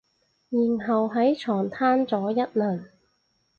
然後喺床攤咗一輪